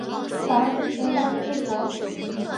反而支持大英帝国。